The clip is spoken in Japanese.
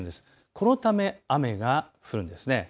このため雨が降るんです。